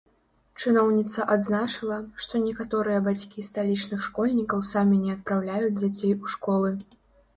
Чыноўніца адзначыла, што некаторыя бацькі сталічных школьнікаў самі не адпраўляюць дзяцей у школы.